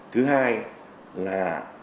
thứ hai là